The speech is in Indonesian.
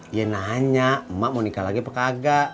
dia nanya emang mau nikah lagi apa enggak